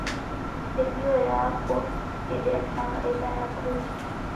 Redio yapo yedezama, ela yapoiswa.